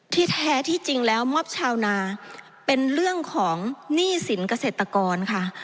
แท้ที่จริงแล้วมอบชาวนาเป็นเรื่องของหนี้สินเกษตรกรค่ะ